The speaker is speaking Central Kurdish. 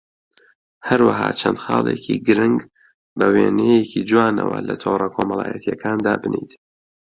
هەروەها چەند خاڵێکی گرنگ بە وێنەیەکی جوانەوە لە تۆڕە کۆمەڵایەتییەکان دابنێیت